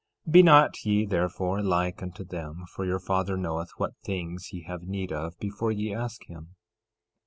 13:8 Be not ye therefore like unto them, for your Father knoweth what things ye have need of before ye ask him.